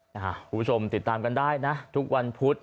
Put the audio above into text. คุณผู้ชมติดตามกันได้นะทุกวันพุธ